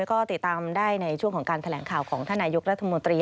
ก็ติดตามได้ในช่วงของการแถลงข่าวของท่านนายกรัฐมนตรี